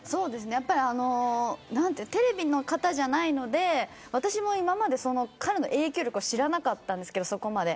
やっぱりテレビの方じゃないので私も今まで彼の影響力を知らなかったんですけどそこまで。